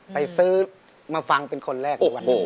เพิ่งซื้อมาฟังเป็นคนแรก